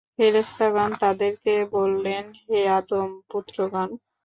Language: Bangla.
ফেরেশতাগণ তাদেরকে বললেন, হে আদম-পুত্রগণ!